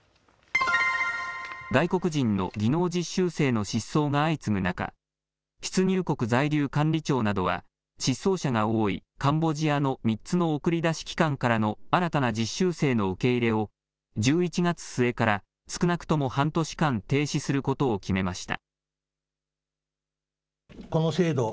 外国人の技能実習生の失踪が相次ぐ中、出入国在留管理庁などは失踪者が多いカンボジアの３つの送り出し機関からの新たな実習生の受け入れを１１月末から少なくとも半年間、停止することを決めました。